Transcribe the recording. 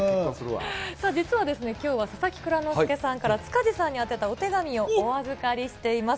実はきょうは佐々木蔵之介さんから塚地さんに宛てたお手紙をお預かりしています。